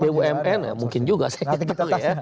bahkan bumn mungkin juga saya ketahui ya